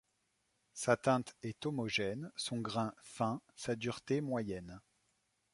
Sa teinte est homogène, son grain fin, sa dureté moyenne.